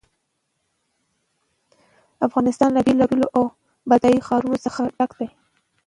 افغانستان له بېلابېلو او بډایه ښارونو څخه ډک دی.